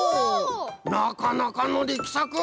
なかなかのりきさく！